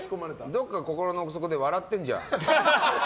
どこか心の奥底で笑ってんじゃん。